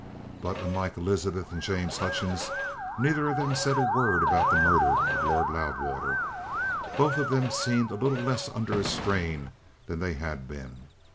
But, unlike Elizabeth and James Hutchings, neither of them said a word about the murder of Lord Loudwater. But both of them seemed a little less under a strain than they had been.